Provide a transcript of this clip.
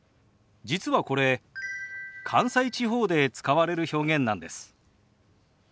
実はこれ関西地方で使われる表現なんです。